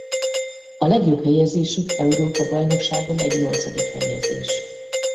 A legjobb helyezésük Európa-bajnokságon egy nyolcadik helyezés.